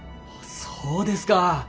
そうですか。